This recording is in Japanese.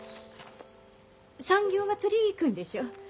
産業まつり行くんでしょ。